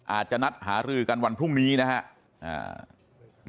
อาจจะนัดหารือกันวันพรุ่งนี้นะครับ